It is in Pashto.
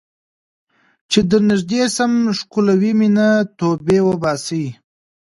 چې درنږدې شم ښکلوې مې نه ، توبې وباسې